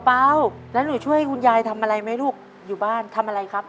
เปล่าแล้วหนูช่วยคุณยายทำอะไรไหมลูกอยู่บ้านทำอะไรครับ